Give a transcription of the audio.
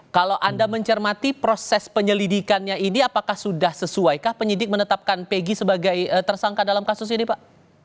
kalau anda mencermati proses penyelidikannya ini apakah sudah sesuaikah penyidik menetapkan peggy sebagai tersangka dalam kasus ini pak